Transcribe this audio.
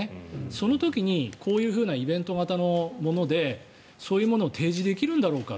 その時にこういうイベント型のものでそういうものを提示できるんだろうか。